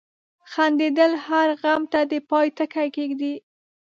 • خندېدل هر غم ته د پای ټکی ږدي.